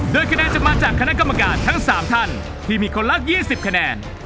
โดยคะแนนจะมาจากคณะกรรมการทั้ง๓ท่านที่มีคนละ๒๐คะแนน